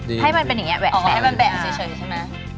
ให้มันแบะเฉยใช่ไหม